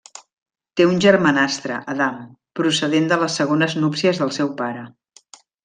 Té un germanastre, Adam, procedent de les segones núpcies del seu pare.